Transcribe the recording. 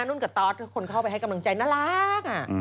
นุ่นกับตอสคนเข้าไปให้กำลังใจน่ารัก